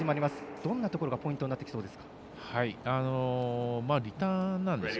どんなところがポイントになってきそうですか？